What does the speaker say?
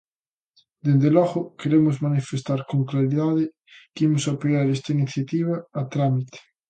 Dende logo, queremos manifestar con claridade que imos apoiar esta iniciativa a trámite.